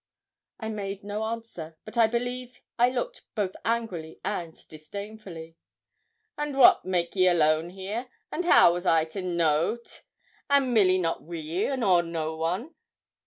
I made no answer, but I believe I looked both angrily and disdainfully. 'And what make ye alone here? and how was I to know't, an' Milly not wi' ye, nor no one?